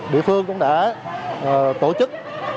bịa phương cũng đã tổ chức